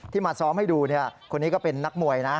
มาซ้อมให้ดูคนนี้ก็เป็นนักมวยนะ